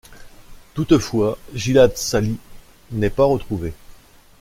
Toutefois Gilad Shalit n’est pas retrouvé.